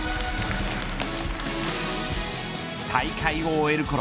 大会を終えるころ